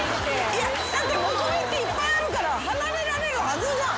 いやだって木目っていっぱいあるから離れられるはずじゃん。